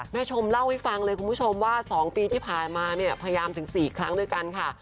ชมเล่าให้ฟังเลยคุณผู้ชมว่า๒ปีที่ผ่านมาเนี่ยพยายามถึง๔ครั้งด้วยกันค่ะ